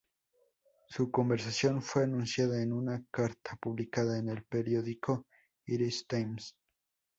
Su conversión fue anunciada en una carta publicada en el periódico "Irish Times".